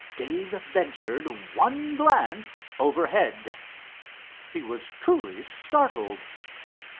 Dave ventured one glance overhead. He was truly startled.